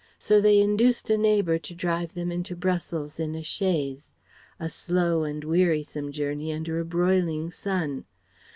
So they induced a neighbour to drive them into Brussels in a chaise: a slow and wearisome journey under a broiling sun.